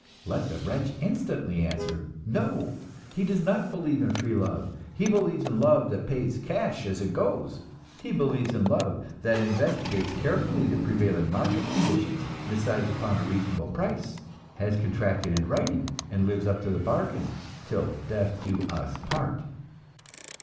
Let the wretch instantly answer, No, he does not believe in free love, he believes in love that pays cash as it goes; he believes in love that investigates carefully the prevailing market conditions, decides upon a reasonable price, has the contract in writing, and lives up to the bargain "till death do us part."